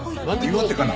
岩手かな？